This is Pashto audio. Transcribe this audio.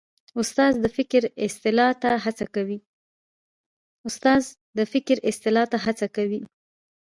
استاد د فکر اصلاح ته هڅه کوي.